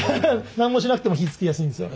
何もしなくても火つきやすいんですよ。